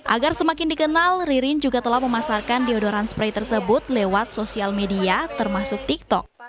agar semakin dikenal ririn juga telah memasarkan deodoran spray tersebut lewat sosial media termasuk tiktok